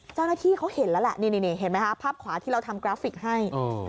เจ้าหน้าที่เขาเห็นแล้วแหละนี่เห็นไหมคะภาพขวาที่เราทำกราฟิกให้